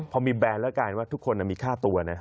พอมีแบรนด์แล้วกลายเป็นว่าทุกคนมีค่าตัวนะ